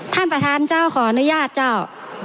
ท่านประธานเจ้าขออนุญาตเจ้า